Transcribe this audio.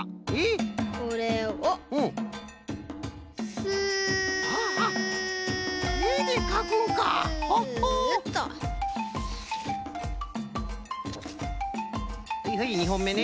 はいはい２ほんめね。